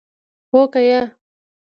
هو که یا ؟